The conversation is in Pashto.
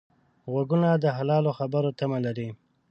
غوږونه د حلالو خبرو تمه لري